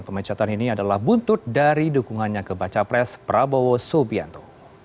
pemecatan ini adalah buntut dari dukungannya ke baca pres prabowo subianto